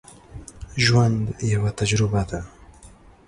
ژوند یوه تجربه ده